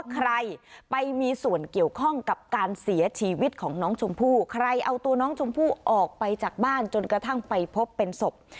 ใครเอาตัวน้องชมพู่ออกไปจากบ้านจนกระทั่งไปพบเป็นศพ